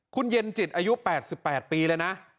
คุณเย็นจิตอายุ๘๘ปีเลยนะ